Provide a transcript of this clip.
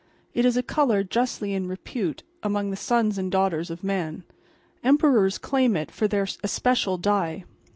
It is a color justly in repute among the sons and daughters of man. Emperors claim it for their especial dye.